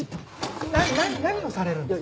何をされるんですか？